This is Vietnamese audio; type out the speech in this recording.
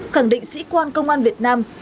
khẳng định sĩ quan công an việt nam